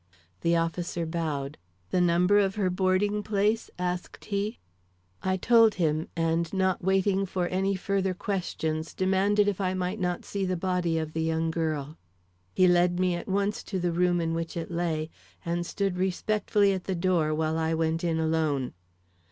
The officer bowed. "The number of her boarding place?" asked he. I told him, and not waiting for any further questions, demanded if I might not see the body of the young girl. He led me at once to the room in which it lay, and stood respectfully at the door while I went in alone.